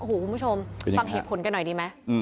คุณผู้ชมฟังเหตุผลกันหน่อยดีไหม